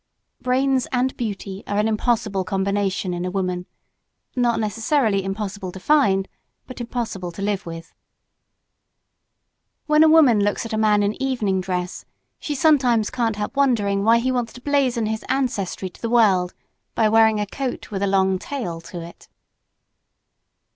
Brains and beauty are an impossible combination in a woman not necessarily impossible to find, but impossible to live with. When a woman looks at a man in evening dress, she sometimes can't help wondering why he wants to blazon his ancestry to the world by wearing a coat with a long tail to it.